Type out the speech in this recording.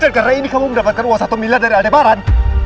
karena ini kamu mendapatkan uang satu miliar dari adebaran